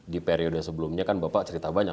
di periode sebelumnya kan bapak cerita banyak